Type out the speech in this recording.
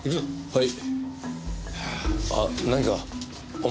はい。